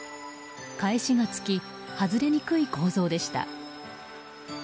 返しがつき外れにくい構造でした。